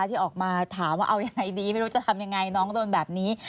ที่ออกมาถามว่าเอายังไงดีไม่รู้จะทำยังไงน้องโดนแบบนี้